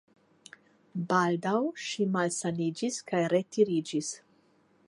Baldaŭ ŝi malsaniĝis kaj retiriĝis.